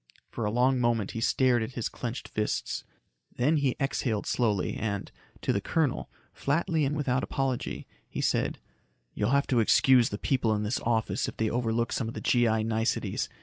For a long moment he stared at his clenched fists. Then he exhaled slowly and, to the colonel, flatly and without apology, he said, "You'll have to excuse the people in this office if they overlook some of the G.I. niceties.